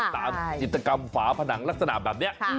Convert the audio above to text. จิตกรรมฝาผนังลักษณะแบบนี้